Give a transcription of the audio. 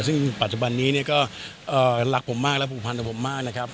ซึ่งปัจจุบันนี้เนี่ยก็รักผมมากและผูกพันกับผมมากนะครับ